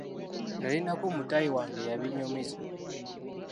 Nnalinako mutaayi wange eyabinyumiza.